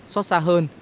sót xa hơn